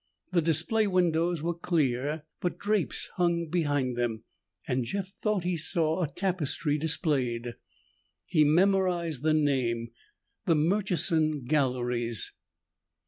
The display windows were clear, but drapes hung behind them and Jeff thought he saw a tapestry displayed. He memorized the name; the Murchison Galleries.